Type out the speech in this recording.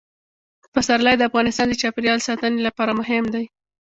پسرلی د افغانستان د چاپیریال ساتنې لپاره مهم دي.